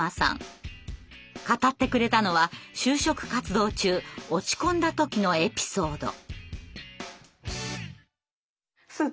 語ってくれたのは就職活動中落ち込んだ時のエピソード。